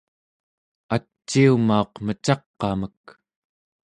aciumauq Mecaq'amek